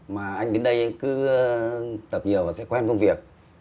mà anh đến đây cứ tập nhiều và sẽ quen công việc